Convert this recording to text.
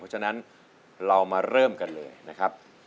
เพราะฉะนั้นเรามาเริ่มกันเลยนะครับ